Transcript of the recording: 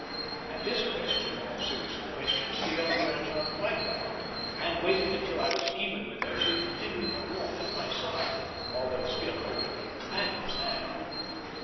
At this question, or series of questions, the young girl turned quite round, and, waiting until I was even with her, she continued her walk at my side, although still holding her companion's hand.